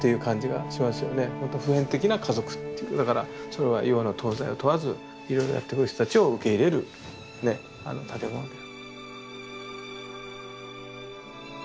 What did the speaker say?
ほんと普遍的な家族っていうだからそれは洋の東西を問わずいろいろやって来る人たちを受け入れるね建物である。